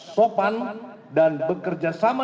sopan dan bekerjasama